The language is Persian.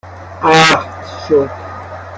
اخت شد